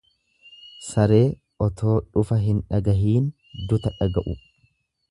Saree otoo dhufa hin dhagahiin duta dhaga'u.